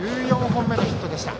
１４本目のヒットでした。